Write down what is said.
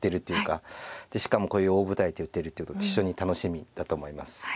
しかもこういう大舞台で打てるっていうことで非常に楽しみだと思います。